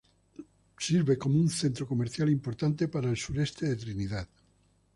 Sirve como un centro comercial importante para el sureste de Trinidad.